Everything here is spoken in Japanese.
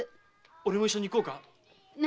俺も一緒に行こうか？